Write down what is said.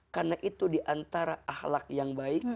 karena itu di antara akhlak yang baik